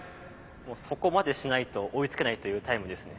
そこまでしないと追いつけないというタイムですね。